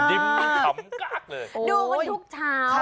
ดูกันทุกเช้า